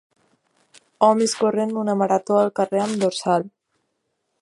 Homes corrent una marató al carrer amb dorsal.